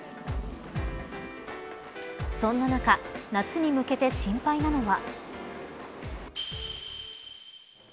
そんな中夏に向けて心配なのは。